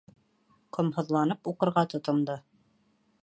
Ҡомһоҙланып уҡырға тотондо.